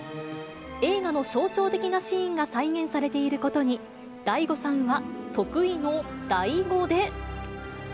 映画の象徴的なシーンが再現されていることに、ＤＡＩＧＯさんは得意のダイ語で。